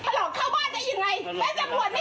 ขวาหลอกเข้าบ้านยังไง